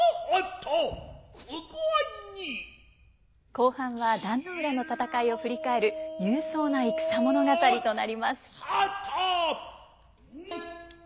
後半は壇ノ浦の戦いを振り返る勇壮な戦物語となります。